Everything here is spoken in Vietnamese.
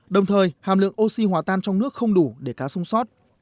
đồng thời hàm lượng oxy hòa tan trong nước không đủ để cá sông sót